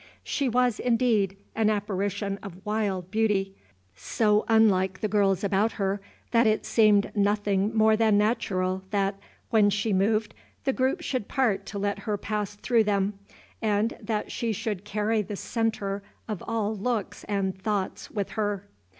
She was, indeed, an apparition of wild beauty, so unlike the girls about her that it seemed nothing more than natural, that, when she moved, the groups should part to let her pass through them, and that she should carry the centre of all looks and thoughts with her.